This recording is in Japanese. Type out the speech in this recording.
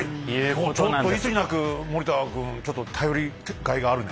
今日ちょっといつになく森田君ちょっと頼りがいがあるね。